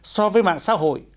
so với mạng xã hội